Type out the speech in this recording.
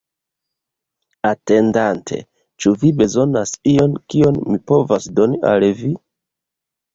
Atendante, ĉu vi bezonas ion, kion mi povas doni al vi?